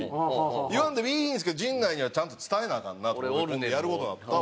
言わんでもいいんですけど陣内にはちゃんと伝えなアカンなと思って「やる事なったわ」